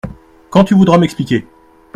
Quand tu voudras m’expliquer !…